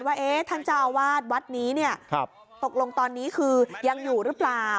ว่าท่านเจ้าอาวาสวัดนี้เนี่ยตกลงตอนนี้คือยังอยู่หรือเปล่า